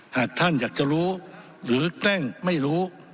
หากท่านอยากจะรู้หรือแกล้งไม่รู้